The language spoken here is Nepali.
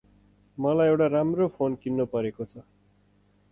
मलाइ एउटा राम्रो फोन किन्नुपरेको छ ।